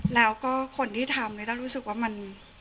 แล้วก็คนที่ทำนิต้ารู้สึกว่ามัน